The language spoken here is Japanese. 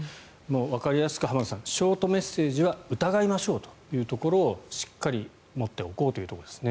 わかりやすくショートメッセージは疑いましょうというところをしっかり持っておこうというところですね。